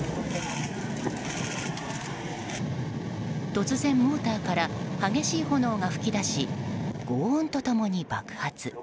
突然、モーターから激しい炎が噴き出し轟音と共に爆発。